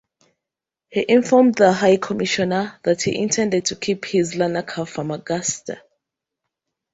He informed the High Commissioner that he intended to keep his Larnaca–Famagusta.